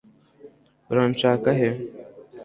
uranshaka he